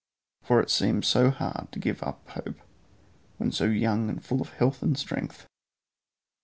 For it seemed so hard to give up hope when so young and full of health and strength.